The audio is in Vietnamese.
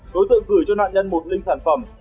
đối tượng gửi cho nạn nhân một linh sản phẩm